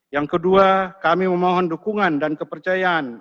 yang kedua kami memohon dukungan dan kepercayaan